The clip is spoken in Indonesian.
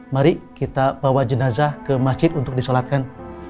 mari kita bawa jenazah ke masjid untuk disolatkan